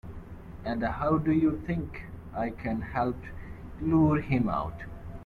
And how do you think I can help lure him out?